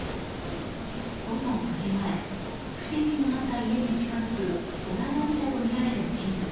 午後９時前不審火のあった家に近づく織田容疑者とみられる人物。